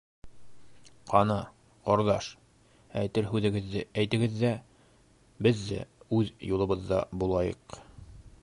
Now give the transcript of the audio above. Ҡана, ҡорҙаш, әйтер һүҙегеҙҙе әйтегеҙ ҙә, беҙ ҙә үҙ юлыбыҙҙа булайыҡ.